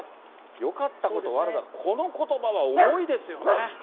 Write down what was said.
よかったこと、悪かったこと、このことばは重いですよね。